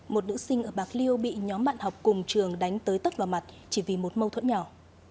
một nữ sinh ở bạc liêu bị nhóm bạn học cùng trường đánh tới tất vào mặt chỉ vì một mâu thuẫn nhỏ